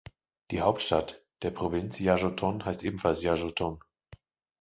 Die „Hauptstadt“ der Provinz Yasothon heißt ebenfalls Yasothon.